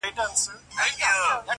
• ما ته شجره یې د نژاد او نصب مه راوړی,